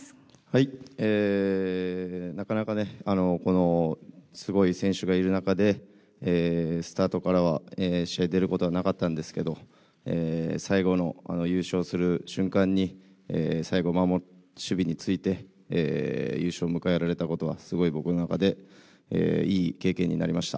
なかなか、すごい選手がいる中で、スタートからは試合出ることはなかったんですけど、最後のあの優勝する瞬間に、最後、守備に就いて、優勝を迎えられたことは、すごい僕の中でいい経験になりました。